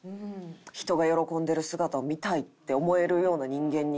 人が喜んでる姿を見たいって思えるような人間に。